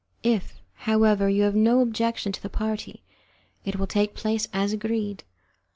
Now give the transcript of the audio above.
If, however, you have no objection to the party, it will take place as agreed.